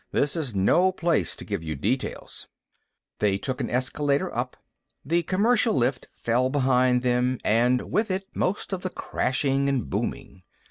This is no place to give you details." They took an escalator up. The commercial lift fell behind them, and with it most of the crashing and booming.